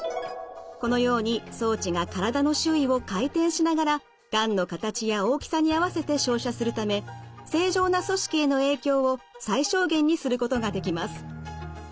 このように装置が体の周囲を回転しながらがんの形や大きさに合わせて照射するため正常な組織への影響を最小限にすることができます。